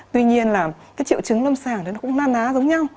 tuy nhiên là cái triệu chứng lâm sàng thì nó cũng na na giống nhau